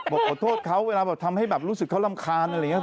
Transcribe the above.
บอกขอโทษเขาเวลาแบบทำให้แบบรู้สึกเขารำคาญอะไรอย่างนี้